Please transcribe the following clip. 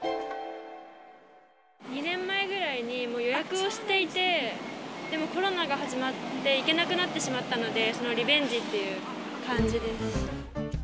２年前ぐらいにもう予約をしていて、でもコロナが始まって行けなくなってしまったので、そのリベンジっていう感じです。